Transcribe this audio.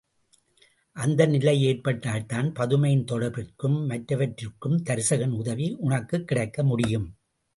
அந்த நிலை ஏற்பட்டால்தான் பதுமையின் தொடர்பிற்கும், மற்றவற்றிற்கும் தருசகன் உதவி உனக்குக் கிடைக்க முடியும்.